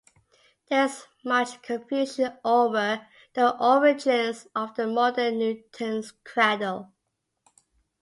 There is much confusion over the origins of the modern Newton's cradle.